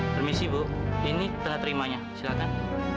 permisi bu ini kita terimanya silakan